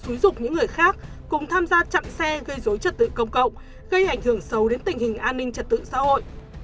xúi dục những người khác cùng tham gia chặn xe gây dối chất tự công cộng gây ảnh hưởng sâu đến tình hình an ninh chất tự xã hội